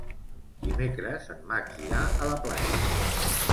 Dimecres en Max irà a la platja.